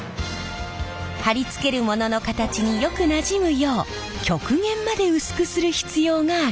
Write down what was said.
貼り付けるものの形によくなじむよう極限まで薄くする必要があります。